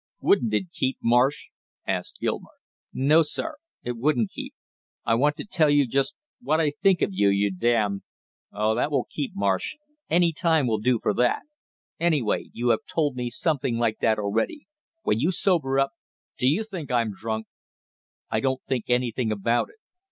"Wouldn't it keep, Marsh?" asked Gilmore. "No, sir, it wouldn't keep; I want to tell you just what I think of you, you damn " "Oh, that will keep, Marsh, any time will do for that; anyway, you have told me something like that already! When you sober up " "Do you think I'm drunk?" "I don't think anything about it."